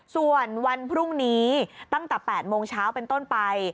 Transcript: ส่วนวันพรุ่งนี้ตั้งแต่๘โมงเช้าเป็นต้นไป